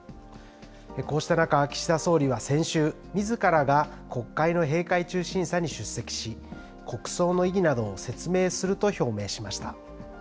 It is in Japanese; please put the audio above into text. こうした中、岸田総理は先週、みずからが国会の閉会中審査に出席し、国葬の意義などを説明すると表明しました。